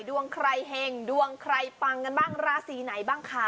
ดวงใครเห็งดวงใครปังกันบ้างราศีไหนบ้างคะ